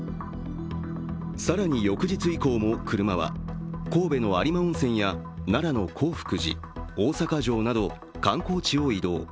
更に翌日以降も車は神戸の有馬温泉や奈良の興福寺、大阪城など観光地を移動。